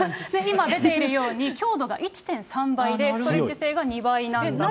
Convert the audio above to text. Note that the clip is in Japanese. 今出ているように、強度が１．３倍でストレッチ性が２倍なんだそうです。